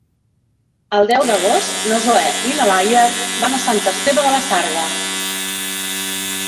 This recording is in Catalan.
El deu d'agost na Zoè i na Laia van a Sant Esteve de la Sarga.